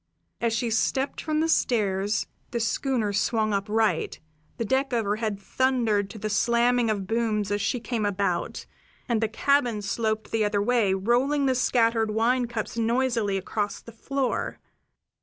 As she stepped from the stairs the schooner swung upright, the deck overhead thundered to the slamming of booms as she came about, and then the cabin sloped the other way, rolling the scattered wine cups noisily across the floor.